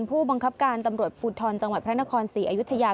ผู้บังคับการตำรวจภูทรจังหวัดพระนครศรีอยุธยา